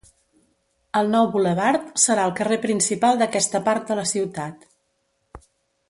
El nou bulevard serà el carrer principal d'aquesta part de la ciutat.